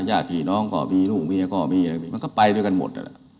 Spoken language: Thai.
ญาติพี่น้องก็มีลูกมีก็มีมันก็ไปด้วยกันหมดอ่ะล่ะ